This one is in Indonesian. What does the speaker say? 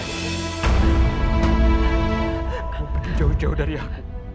jangan pergi jauh jauh dari aku